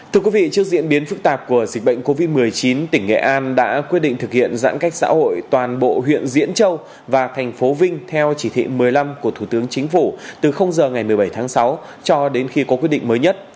thưa quý vị trước diễn biến phức tạp của dịch bệnh covid một mươi chín tỉnh nghệ an đã quyết định thực hiện giãn cách xã hội toàn bộ huyện diễn châu và thành phố vinh theo chỉ thị một mươi năm của thủ tướng chính phủ từ giờ ngày một mươi bảy tháng sáu cho đến khi có quyết định mới nhất